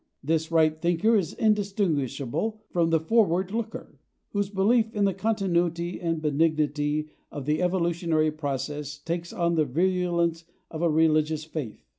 This right thinker is indistinguishable from the /forward looker/, whose belief in the continuity and benignity of the evolutionary process takes on the virulence of a religious faith.